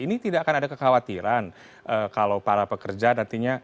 ini tidak akan ada kekhawatiran kalau para pekerja nantinya